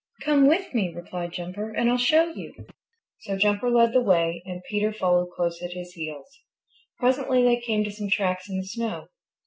"Come with me," replied Jumper, "and I'll show you." So Jumper led the way and Peter followed close at his heels. Presently they came to some tracks in the snow.